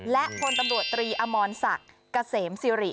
และพลตำรวจตรีอมรศักดิ์เกษมสิริ